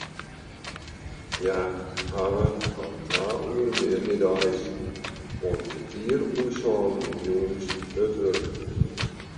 Hja hawwe fan twa oere middeis oant kertier oer sânen jûns hurd wurke.